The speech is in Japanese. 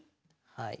はい。